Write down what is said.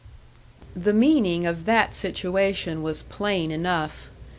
The meaning of that situation was plain enough.